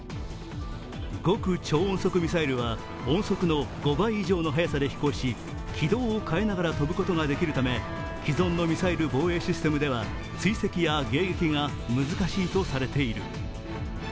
極超音速ミサイルは音速の５倍以上の速さで飛行し、軌道を変えながら飛ぶことができるため既存のミサイル防衛システムでは追跡や迎撃が難しいとされている。